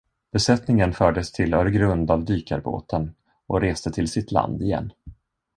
Besättningen fördes till Öregrund av dykarbåten och reste till sitt land igen.